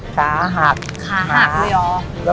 ขาหักอยู่รับมันข้าขาหักหรือยาว